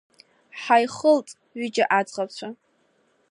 Ҳаихылҵит ҩыџьа аӡӷабцәа.